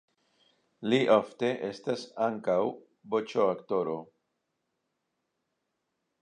Li ofte estas ankaŭ voĉoaktoro.